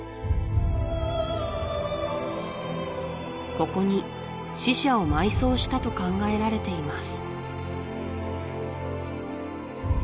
ここに死者を埋葬したと考えられています